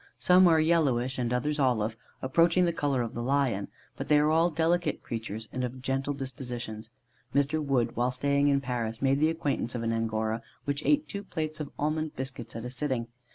Some are yellowish, and others olive, approaching to the colour of the Lion; but they are all delicate creatures, and of gentle dispositions. Mr. Wood, while staying in Paris, made the acquaintance of an Angora, which ate two plates of almond biscuits at a sitting.